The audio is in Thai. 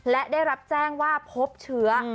และได้รับแจ้งว่าพบเชื้อ